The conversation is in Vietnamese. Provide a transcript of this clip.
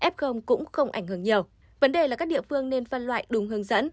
f cũng không ảnh hưởng nhiều vấn đề là các địa phương nên phân loại đúng hướng dẫn